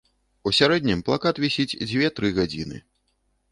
У сярэднім плакат вісіць дзве-тры гадзіны.